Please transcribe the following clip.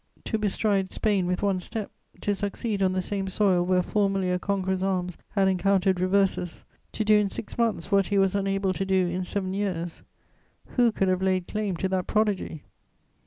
To bestride Spain with one step, to succeed on the same soil where formerly a conqueror's arms had encountered reverses, to do in six months what he was unable to do in seven years: who could have laid claim to that prodigy?